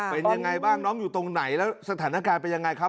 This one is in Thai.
เป็นยังไงบ้างน้องอยู่ตรงไหนแล้วสถานการณ์เป็นยังไงครับ